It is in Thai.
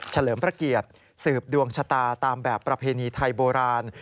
เลิมพระเกียรติสืบดวงชะตาตามแบบประเพณีไทยโบราณ